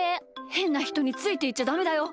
へんなひとについていっちゃダメだよ。